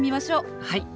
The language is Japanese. はい。